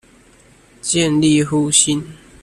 建立互信